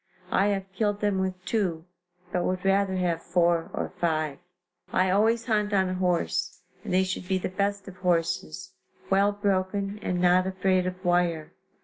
I have killed them with two, but would rather have four or five. I always hunt on a horse, and they should be the best of horses, well broken and not afraid of wire.